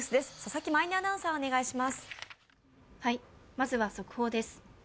まずは速報です。